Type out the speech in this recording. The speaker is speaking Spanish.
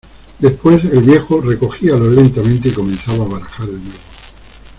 después el viejo recogíalos lentamente y comenzaba a barajar de nuevo.